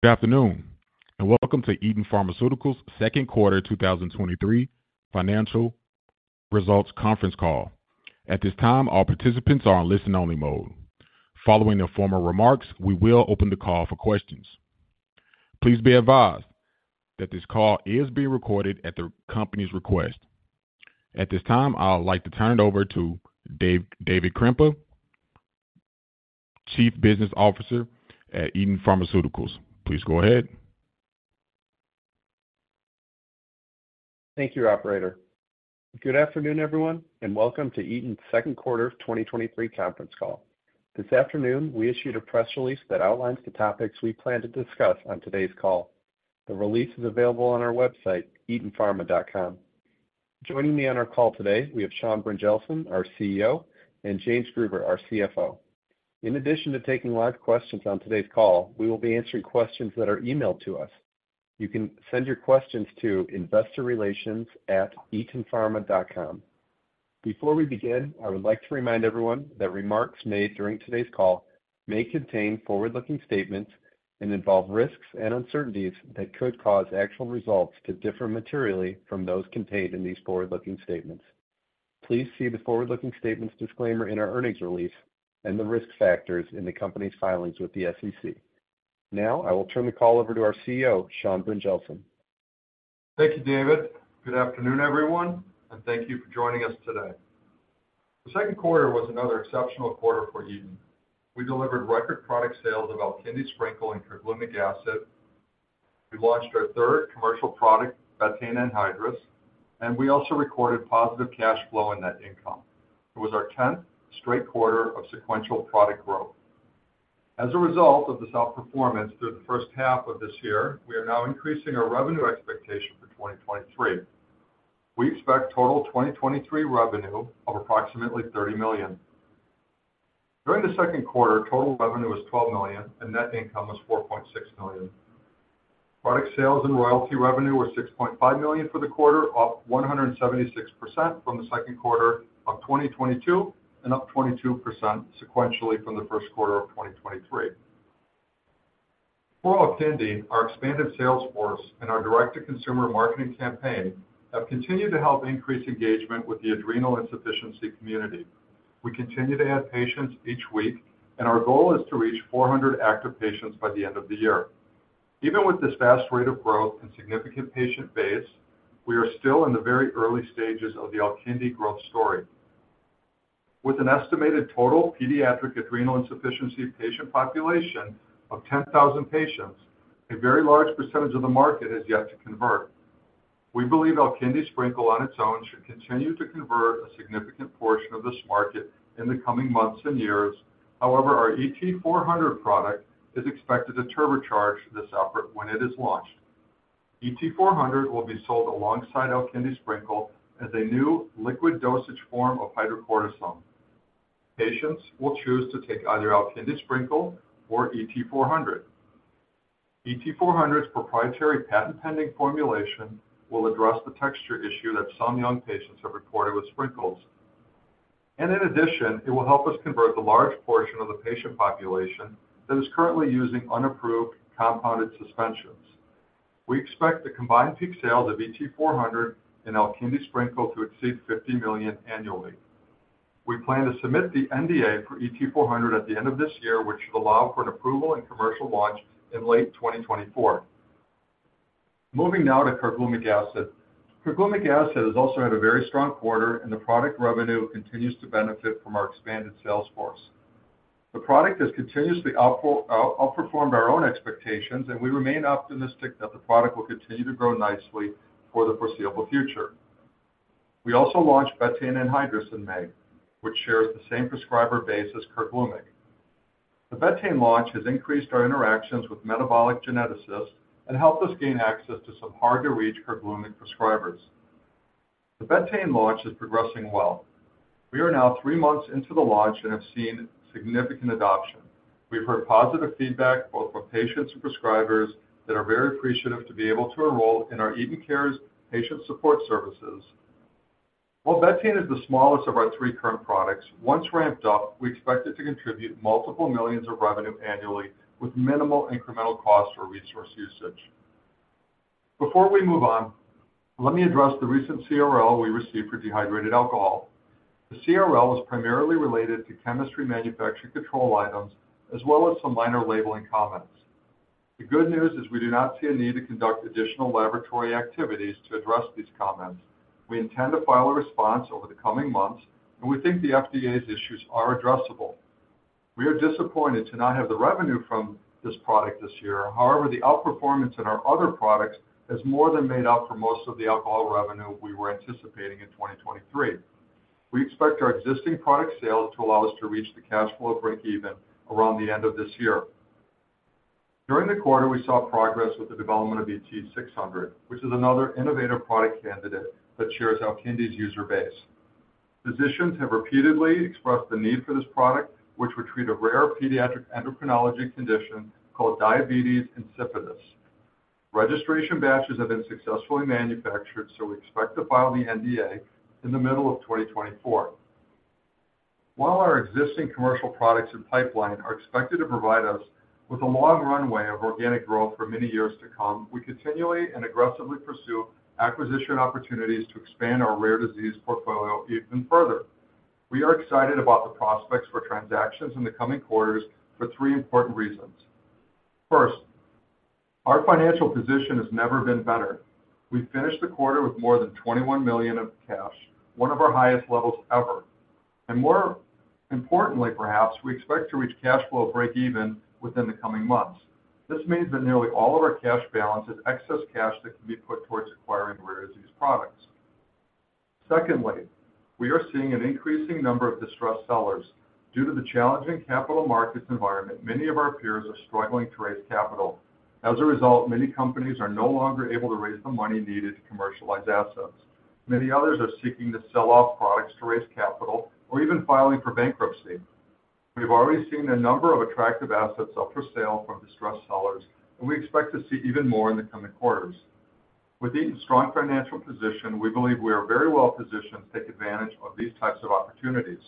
Good afternoon, welcome to Eton Pharmaceuticals' Second Quarter 2023 Financial Results Conference Call. At this time, all participants are in listen-only mode. Following the formal remarks, we will open the call for questions. Please be advised that this call is being recorded at the company's request. At this time, I would like to turn it over to David Krempin, Chief Business Officer at Eton Pharmaceuticals. Please go ahead. Thank you, operator. Good afternoon, everyone, and welcome to Eton's Second Quarter of 2023 Conference Call. This afternoon, we issued a press release that outlines the topics we plan to discuss on today's call. The release is available on our website, etonpharma.com. Joining me on our call today, we have Sean Brynjelsen, our CEO, and James Gruber, our CFO. In addition to taking live questions on today's call, we will be answering questions that are emailed to us. You can send your questions to investorrelations@etonpharma.com. Before we begin, I would like to remind everyone that remarks made during today's call may contain forward-looking statements and involve risks and uncertainties that could cause actual results to differ materially from those contained in these forward-looking statements. Please see the forward-looking statements disclaimer in our earnings release and the risk factors in the company's filings with the SEC. Now, I will turn the call over to our CEO, Sean Brynjelsen. Thank you, David. Good afternoon, everyone, and thank you for joining us today. The second quarter was another exceptional quarter for Eton Pharmaceuticals. We delivered record product sales of Alkindi Sprinkle and Carglumic Acid. We launched our third commercial product, Betaine Anhydrous, and we also recorded positive cash flow and net income. It was our tenth straight quarter of sequential product growth. As a result of this outperformance through the first half of this year, we are now increasing our revenue expectation for 2023. We expect total 2023 revenue of approximately $30 million. During the second quarter, total revenue was $12 million, and net income was $4.6 million. Product sales and royalty revenue were $6.5 million for the quarter, up 176% from the second quarter of 2022, and up 22% sequentially from the first quarter of 2023. For Alkindi, our expanded sales force and our direct-to-consumer marketing campaign have continued to help increase engagement with the adrenal insufficiency community. We continue to add patients each week, and our goal is to reach 400 active patients by the end of the year. Even with this fast rate of growth and significant patient base, we are still in the very early stages of the Alkindi growth story. With an estimated total pediatric adrenal insufficiency patient population of 10,000 patients, a very large percentage of the market has yet to convert. We believe Alkindi Sprinkle on its own should continue to convert a significant portion of this market in the coming months and years. However, our ET-400 product is expected to turbocharge this effort when it is launched. ET-400 will be sold alongside Alkindi Sprinkle as a new liquid dosage form of hydrocortisone. Patients will choose to take either Alkindi Sprinkle or ET-400. ET-400's proprietary patent-pending formulation will address the texture issue that some young patients have reported with Sprinkle. In addition, it will help us convert the large portion of the patient population that is currently using unapproved compounded suspensions. We expect the combined peak sales of ET-400 and Alkindi Sprinkle to exceed $50 million annually. We plan to submit the NDA for ET-400 at the end of this year, which should allow for an approval and commercial launch in late 2024. Moving now to Carglumic Acid. Carglumic Acid is also at a very strong quarter, and the product revenue continues to benefit from our expanded sales force. The product has continuously outperformed our own expectations, and we remain optimistic that the product will continue to grow nicely for the foreseeable future. We also launched Betaine Anhydrous in May, which shares the same prescriber base as Carglumic. The Betaine launch has increased our interactions with metabolic geneticists and helped us gain access to some hard-to-reach Carglumic prescribers. The Betaine launch is progressing well. We are now three months into the launch and have seen significant adoption. We've heard positive feedback both from patients and prescribers that are very appreciative to be able to enroll in our Eton Cares patient support services. While Betaine is the smallest of our three current products, once ramped up, we expect it to contribute $multiple millions of revenue annually with minimal incremental costs or resource usage. Before we move on, let me address the recent CRL we received for Dehydrated Alcohol. The CRL was primarily related to Chemistry, Manufacturing, and Control items, as well as some minor labeling comments. The good news is we do not see a need to conduct additional laboratory activities to address these comments. We intend to file a response over the coming months. We think the FDA's issues are addressable. We are disappointed to not have the revenue from this product this year. However, the outperformance in our other products has more than made up for most of the alcohol revenue we were anticipating in 2023. We expect our existing product sales to allow us to reach the cash flow breakeven around the end of this year. During the quarter, we saw progress with the development of ET-600, which is another innovative product candidate that shares Alkindi's user base. Physicians have repeatedly expressed the need for this product, which would treat a rare pediatric endocrinology condition called diabetes insipidus. Registration batches have been successfully manufactured. We expect to file the NDA in the middle of 2024. While our existing commercial products and pipeline are expected to provide us with a long runway of organic growth for many years to come, we continually and aggressively pursue acquisition opportunities to expand our rare disease portfolio even further. We are excited about the prospects for transactions in the coming quarters for three important reasons. First, our financial position has never been better. We finished the quarter with more than $21 million of cash, one of our highest levels ever. More importantly, perhaps, we expect to reach cash flow breakeven within the coming months. This means that nearly all of our cash balance is excess cash that can be put towards acquiring rare disease products. Secondly, we are seeing an increasing number of distressed sellers. Due to the challenging capital markets environment, many of our peers are struggling to raise capital. As a result, many companies are no longer able to raise the money needed to commercialize assets. Many others are seeking to sell off products to raise capital or even filing for bankruptcy. We've already seen a number of attractive assets up for sale from distressed sellers, and we expect to see even more in the coming quarters. With Eton's strong financial position, we believe we are very well positioned to take advantage of these types of opportunities.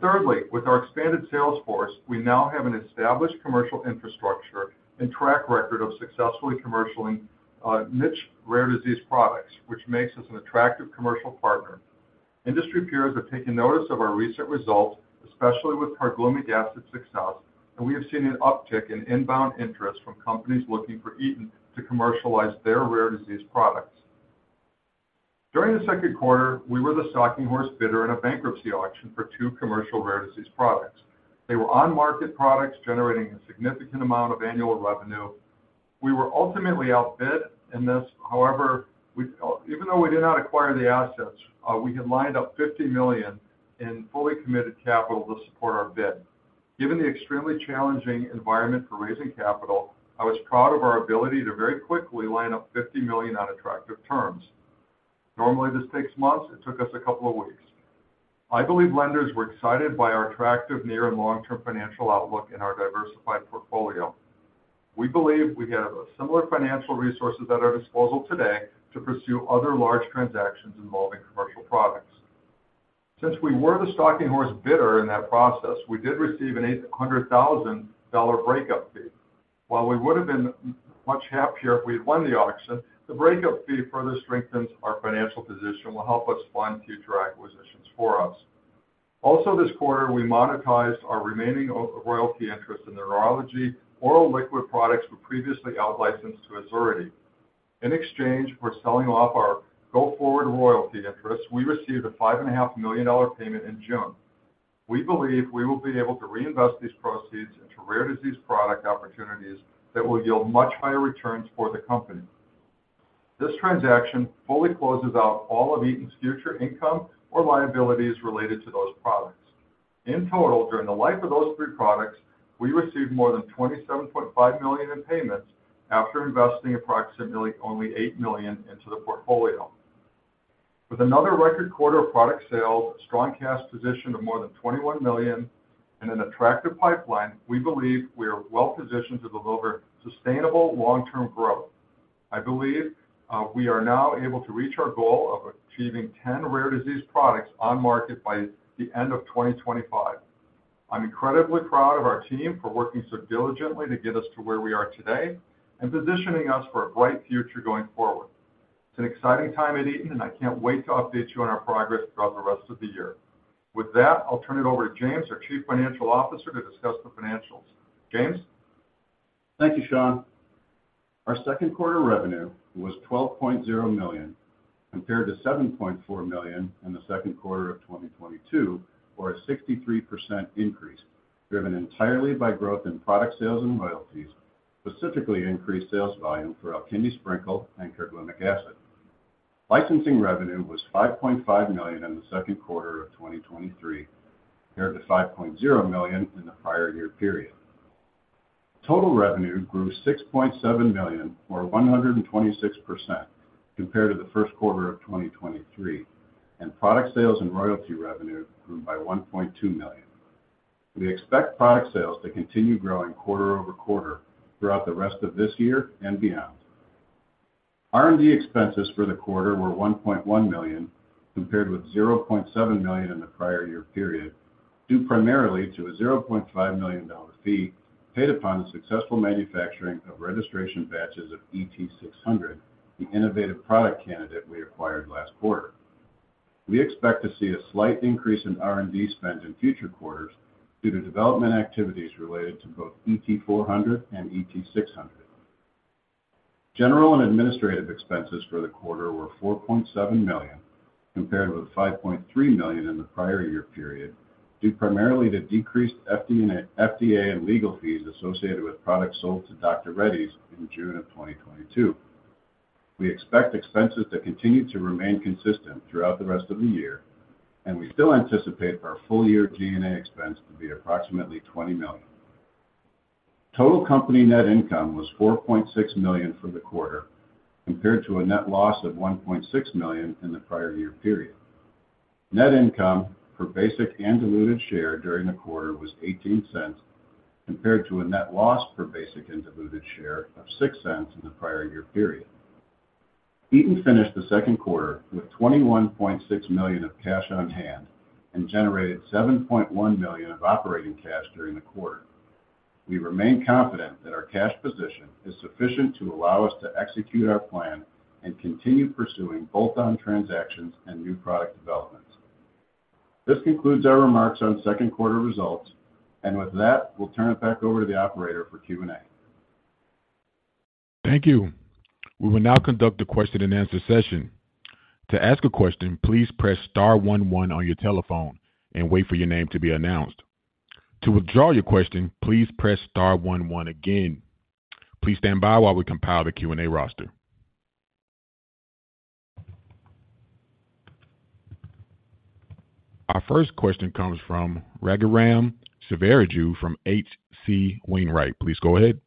Thirdly, with our expanded sales force, we now have an established commercial infrastructure and track record of successfully commercially, niche rare disease products, which makes us an attractive commercial partner. Industry peers have taken notice of our recent results, especially with Carglumic Acid success, we have seen an uptick in inbound interest from companies looking for Eton to commercialize their rare disease products. During the second quarter, we were the stalking horse bidder in a bankruptcy auction for two commercial rare disease products. They were on-market products generating a significant amount of annual revenue. We were ultimately outbid in this. However, even though we did not acquire the assets, we had lined up $50 million in fully committed capital to support our bid. Given the extremely challenging environment for raising capital, I was proud of our ability to very quickly line up $50 million on attractive terms. Normally, this takes months. It took us a couple of weeks. I believe lenders were excited by our attractive near and long-term financial outlook and our diversified portfolio. We believe we have similar financial resources at our disposal today to pursue other large transactions involving commercial products. Since we were the stalking horse bidder in that process, we did receive an $800,000 breakup fee. While we would have been much happier if we had won the auction, the breakup fee further strengthens our financial position and will help us fund future acquisitions for us. Also, this quarter, we monetized our remaining royalty interest in neurology. Oral liquid products were previously out-licensed to Azurity. In exchange for selling off our go-forward royalty interest, we received a $5.5 million payment in June. We believe we will be able to reinvest these proceeds into rare disease product opportunities that will yield much higher returns for the company. This transaction fully closes out all of Eton's future income or liabilities related to those products. In total, during the life of those three products, we received more than $27.5 million in payments after investing approximately only $8 million into the portfolio. With another record quarter of product sales, a strong cash position of more than $21 million, and an attractive pipeline, we believe we are well positioned to deliver sustainable long-term growth. I believe, we are now able to reach our goal of achieving 10 rare disease products on market by the end of 2025. I'm incredibly proud of our team for working so diligently to get us to where we are today and positioning us for a bright future going forward. It's an exciting time at Eton, I can't wait to update you on our progress throughout the rest of the year. With that, I'll turn it over to James, our Chief Financial Officer, to discuss the financials. James? Thank you, Sean. Our second quarter revenue was $12.0 million, compared to $7.4 million in the second quarter of 2022, or a 63% increase, driven entirely by growth in product sales and royalties, specifically increased sales volume for Alkindi Sprinkle and Carglumic Acid. Licensing revenue was $5.5 million in the second quarter of 2023, compared to $5.0 million in the prior year period. Total revenue grew $6.7 million, or 126%, compared to the first quarter of 2023, and product sales and royalty revenue grew by $1.2 million. We expect product sales to continue growing quarter-over-quarter throughout the rest of this year and beyond. R&D expenses for the quarter were $1.1 million, compared with $0.7 million in the prior year period, due primarily to a $0.5 million fee paid upon the successful manufacturing of registration batches of ET-600, the innovative product candidate we acquired last quarter. We expect to see a slight increase in R&D spend in future quarters due to development activities related to both ET-400 and ET-600. General and administrative expenses for the quarter were $4.7 million, compared with $5.3 million in the prior year period, due primarily to decreased FDA and legal fees associated with products sold to Dr. Reddy's in June of 2022. We expect expenses to continue to remain consistent throughout the rest of the year, and we still anticipate our full-year G&A expense to be approximately $20 million. Total company net income was $4.6 million for the quarter, compared to a net loss of $1.6 million in the prior year period. Net income per basic and diluted share during the quarter was $0.18, compared to a net loss per basic and diluted share of $0.6 in the prior year period. Eton Pharmaceuticals finished the second quarter with $21.6 million of cash on hand and generated $7.1 million of operating cash during the quarter. We remain confident that our cash position is sufficient to allow us to execute our plan and continue pursuing bolt-on transactions and new product developments. This concludes our remarks on second quarter results, and with that, we'll turn it back over to the operator for Q&A. Thank you. We will now conduct a question-and-answer session. To ask a question, please press star one one on your telephone and wait for your name to be announced. To withdraw your question, please press star one one again. Please stand by while we compile the Q&A roster. Our first question comes from Raghuram Sivaraju from H.C. Wainwright. Please go ahead.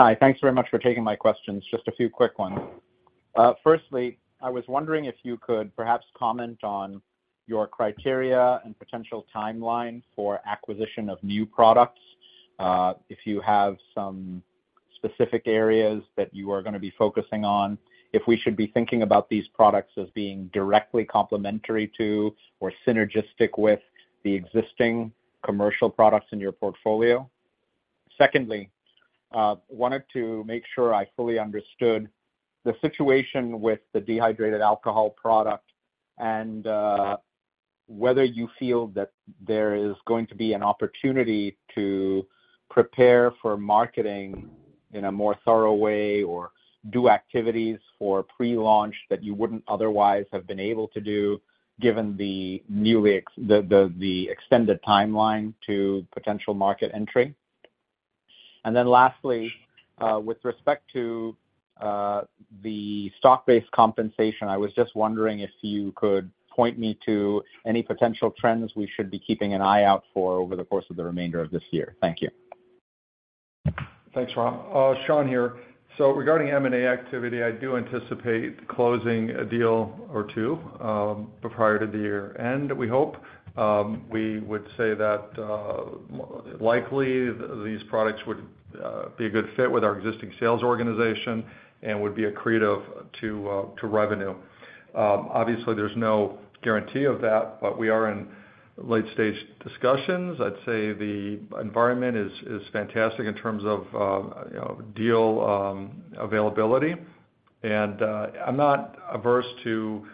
Hi. Thanks very much for taking my questions. Just a few quick ones. Firstly, I was wondering if you could perhaps comment on your criteria and potential timeline for acquisition of new products, if you have some specific areas that you are gonna be focusing on, if we should be thinking about these products as being directly complementary to or synergistic with the existing commercial products in your portfolio. Secondly, wanted to make sure I fully understood the situation with the Dehydrated Alcohol product and, whether you feel that there is going to be an opportunity to prepare for marketing in a more thorough way or do activities for pre-launch that you wouldn't otherwise have been able to do, given the extended timeline to potential market entry. Then lastly, with respect to, the stock-based compensation, I was just wondering if you could point me to any potential trends we should be keeping an eye out for over the course of the remainder of this year. Thank you. Thanks, Ram. Sean here. Regarding M&A activity, I do anticipate closing a deal or two prior to the year-end, we hope. We would say that, likely, these products would be a good fit with our existing sales organization and would be accretive to revenue. Obviously, there's no guarantee of that, but we are in late-stage discussions. I'd say the environment is fantastic in terms of, you know, deal availability. I'm not averse to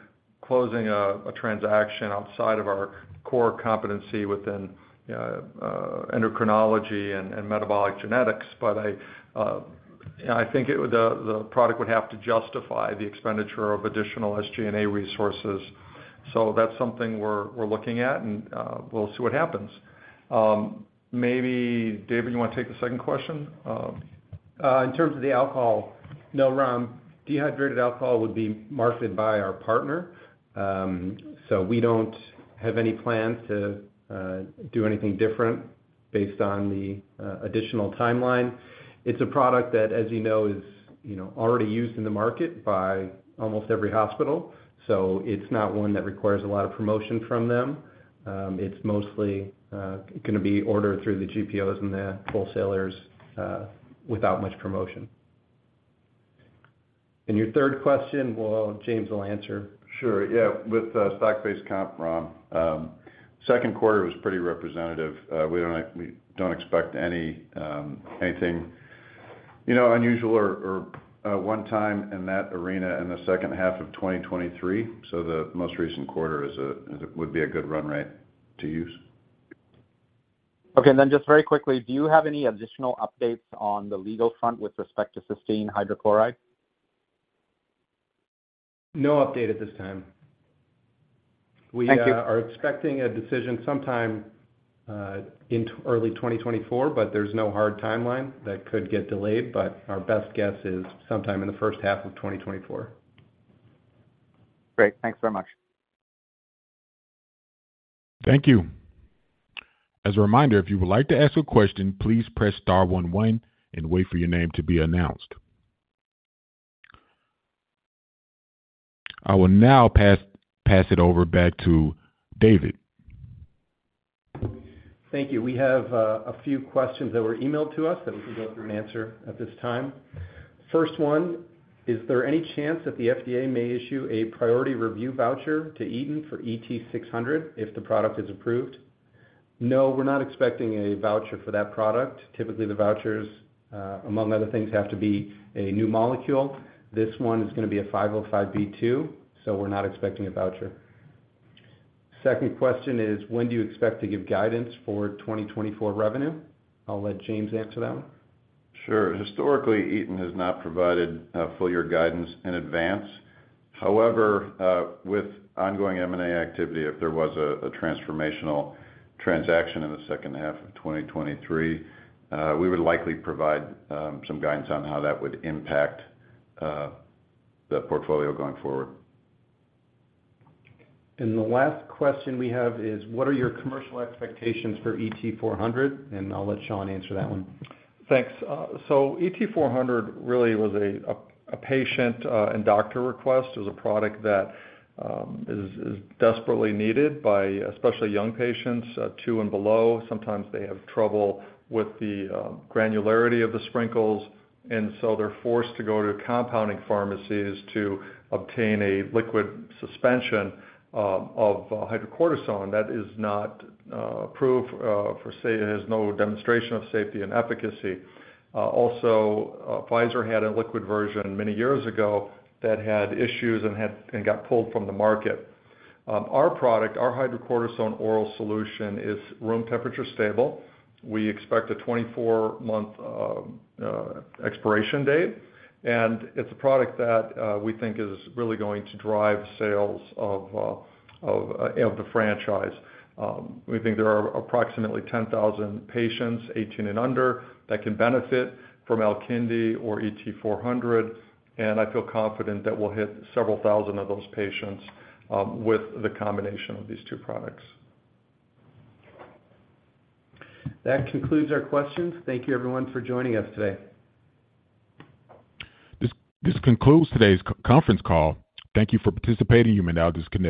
closing a transaction outside of our core competency within endocrinology and metabolic genetics, but I think the product would have to justify the expenditure of additional SG&A resources. That's something we're looking at, and we'll see what happens. Maybe, David, you want to take the second question? In terms of the alcohol. No, Ram, Dehydrated Alcohol would be marketed by our partner. We don't have any plans to do anything different based on the additional timeline. It's a product that, as you know, is, you know, already used in the market by almost every hospital, so it's not one that requires a lot of promotion from them. It's mostly gonna be ordered through the GPOs and the wholesalers without much promotion. Your third question, well, James will answer. Sure. Yeah. With, stock-based comp, Ram, second quarter was pretty representative. We don't, we don't expect any, anything, you know, unusual or, or, one time in that arena in the second half of 2023. The most recent quarter would be a good run rate to use. Okay, and then just very quickly, do you have any additional updates on the legal front with respect to cysteine hydrochloride? No update at this time. Thank you. We are expecting a decision sometime in early 2024, but there's no hard timeline. That could get delayed, but our best guess is sometime in the first half of 2024. Great. Thanks very much. Thank you. As a reminder, if you would like to ask a question, please press star one one and wait for your name to be announced. I will now pass it over back to David. Thank you. We have a few questions that were emailed to us that we can go through and answer at this time. First one, is there any chance that the FDA may issue a Priority Review Voucher to Eton for ET-600 if the product is approved? No, we're not expecting a voucher for that product. Typically, the vouchers, among other things, have to be a new molecule. This one is gonna be a 505(b)(2), so we're not expecting a voucher. Second question is, when do you expect to give guidance for 2024 revenue? I'll let James answer that one. Sure. Historically, Eton has not provided full year guidance in advance. However, with ongoing M&A activity, if there was a transformational transaction in the second half of 2023, we would likely provide some guidance on how that would impact the portfolio going forward. The last question we have is: What are your commercial expectations for ET-400? I'll let Sean answer that one. Thanks. ET-400 really was a patient and doctor request. It was a product that is desperately needed by especially young patients, 2 and below. Sometimes they have trouble with the granularity of the sprinkles, and so they're forced to go to compounding pharmacies to obtain a liquid suspension of hydrocortisone that is not approved. It has no demonstration of safety and efficacy. Also, Pfizer had a liquid version many years ago that had issues and got pulled from the market. Our product, our hydrocortisone oral solution, is room temperature stable. We expect a 24-month expiration date, and it's a product that we think is really going to drive sales of the franchise. We think there are approximately 10,000 patients, 18 and under, that can benefit from Alkindi or ET-400, and I feel confident that we'll hit several thousand of those patients with the combination of these two products. That concludes our questions. Thank you, everyone, for joining us today. This concludes today's conference call. Thank you for participating. You may now disconnect.